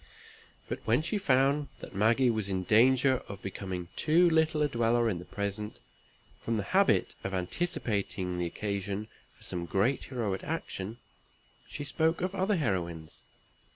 But when she found that Maggie was in danger of becoming too little a dweller in the present, from the habit of anticipating the occasion for some great heroic action, she spoke of other heroines.